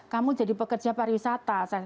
kamu jadi pekerja pariwisata